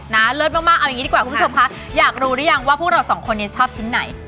เลิศมากเอาอย่างนี้ดีกว่าคุณผู้ชมคะอยากรู้หรือยังว่าพวกเราสองคนนี้ชอบชิ้นไหน